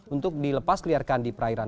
untuk dilepas kliarkan di perairan